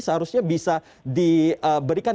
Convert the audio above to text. seharusnya bisa diberikan